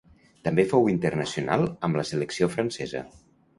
També fou internacional amb la selecció francesa.